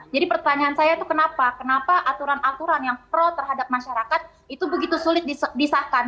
jadi pertanyaan saya itu kenapa kenapa aturan aturan yang pro terhadap masyarakat itu begitu sulit disahkan